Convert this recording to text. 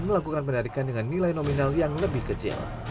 melakukan penarikan dengan nilai nominal yang lebih kecil